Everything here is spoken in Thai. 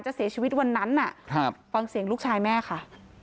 จะเสียชีวิตวันนั้นฟังเสียงลูกชายแม่ค่ะ